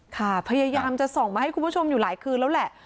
พยายามจะส่องมาให้คุณผู้ชมอยู่หลายคืนแล้วแหละ